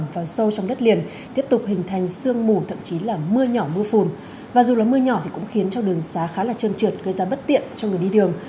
và dù là mưa nhỏ thì cũng khiến cho đường xá khá là trơn trượt gây ra bất tiện cho người đi đường